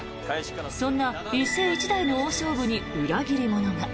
そんな一世一代の大勝負に裏切り者が。